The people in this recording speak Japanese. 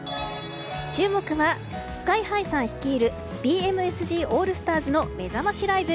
注目はＳＫＹ‐ＨＩさん率いるＢＭＳＧＡＬＬＳＴＡＲＳのめざましライブ。